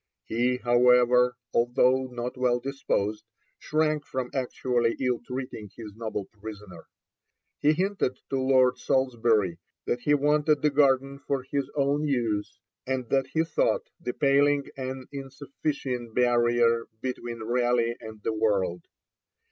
He, however, although not well disposed, shrank from actually ill treating his noble prisoner. He hinted to Lord Salisbury that he wanted the garden for his own use, and that he thought the paling an insufficient barrier between Raleigh and the world.